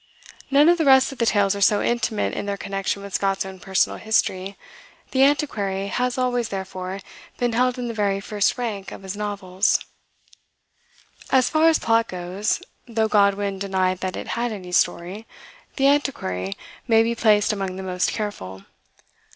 None of the rest of the tales are so intimate in their connection with Scott's own personal history. "The Antiquary" has always, therefore, been held in the very first rank of his novels. As far as plot goes, though Godwin denied that it had any story, "The Antiquary" may be placed among the most careful.